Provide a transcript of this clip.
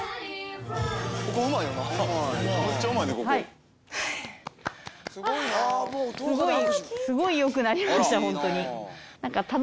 はい！